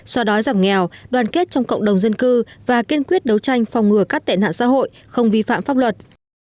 so đói giảm nghèo đoàn kết trong cộng đồng dân cư và kiên quyết đấu tranh phòng ngừa các tệ nạn xã hội không vi phạm pháp luật